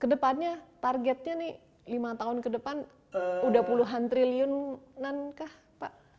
kedepannya targetnya nih lima tahun ke depan udah puluhan triliunan kah pak